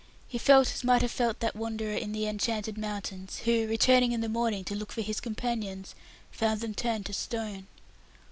He felt as might have felt that wanderer in the enchanted mountains, who, returning in the morning to look for his companions, found them turned to stone.